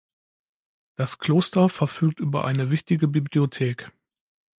Das Kloster verfügt über eine wichtige Bibliothek.